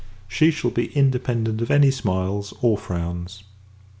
She shall be independent of any smiles or frowns!